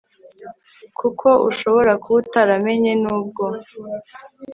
kuko ushobora kuba utaramenya nubwo